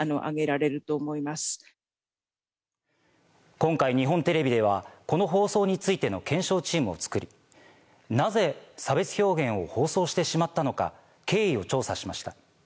今回日本テレビではこの放送についての検証チームをつくりなぜ差別表現を放送してしまったのか経緯を調査しました。